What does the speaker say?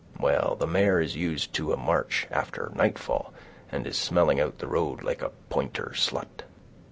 Well, the mare is used to a march after nightfall, and is smelling out the road like a pointer slut."